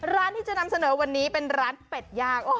ร้านที่จะนำเสนอวันนี้เป็นร้านเป็ดย่าง